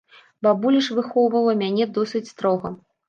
Бабуля ж выхоўвала мяне досыць строга.